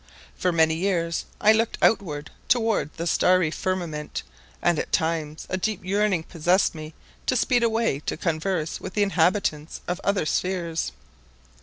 For many years I looked outward toward the starry firmament, and at times a deep yearning possessed me to speed away to converse with the inhabitants of other spheres.